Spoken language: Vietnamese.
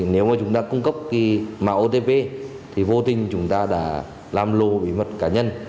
nếu chúng ta cung cấp mạng otp thì vô tình chúng ta đã làm lô bí mật cá nhân